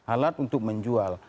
alat untuk menjual